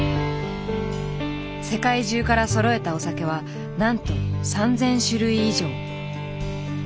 世界中からそろえたお酒はなんと３，０００種類以上。